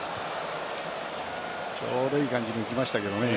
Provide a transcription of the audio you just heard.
ちょうどいい感じにいきましたけどね。